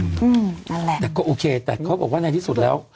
อืมนั่นแหละแต่ก็โอเคแต่เขาบอกว่าในที่สุดแล้ว